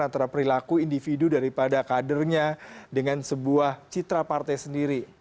antara perilaku individu daripada kadernya dengan sebuah citra partai sendiri